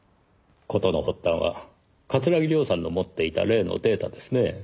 事の発端は桂木涼さんの持っていた例のデータですねぇ。